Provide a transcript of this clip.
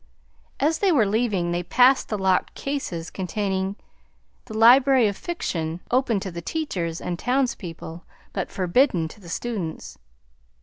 As they were leaving they passed the locked cases containing the library of fiction, open to the teachers and townspeople, but forbidden to the students.